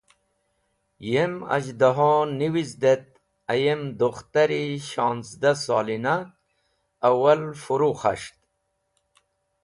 Yem az̃hdaho niwizd et ayem dukhtar-e shonzda solina awal furu khas̃ht.